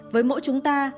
với mỗi chúng ta